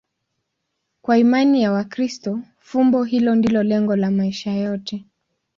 Kwa imani ya Wakristo, fumbo hilo ndilo lengo la maisha yote.